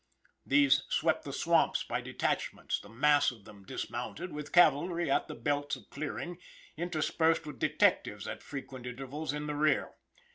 These swept the swamps by detachments, the mass of them dismounted, with cavalry at the belts of clearing, interspersed with detectives at frequent intervals in the rear.